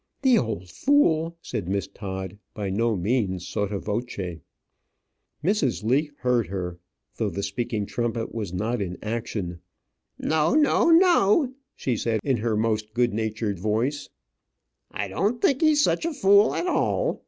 "The old fool!" said Miss Todd, by no means sotto voce. Mrs. Leake heard her though the speaking trumpet was not in action. "No, no, no," she said, in her most good natured voice, "I don't think he's such a fool at all.